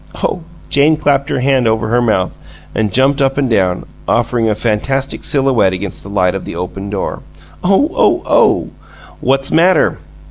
Oh!" Jane clapped her hand over her mouth and jumped up and down, offering a fantastic silhouette against the light of the Open door. "Oh, oh, OH!" "What's matter?"